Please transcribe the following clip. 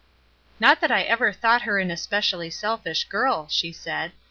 "Not that I ever thought her an especially selfish girl," she said.